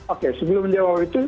oke sebelum menjawab itu